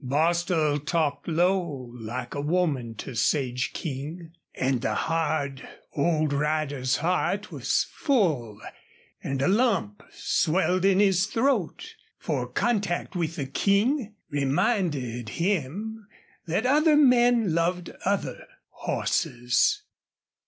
Bostil talked low, like a woman, to Sage King. And the hard old rider's heart was full and a lump swelled in his throat, for contact with the King reminded him that other men loved other horses.